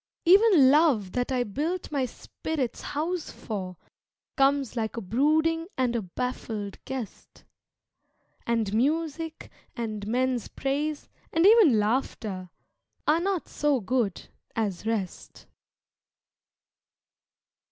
Even love that I built my spirit's house for, Comes like a brooding and a baffled guest, And music and men's praise and even laughter Are not so good as rest.